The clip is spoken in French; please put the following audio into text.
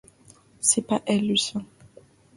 C’est pas elle, Lucien.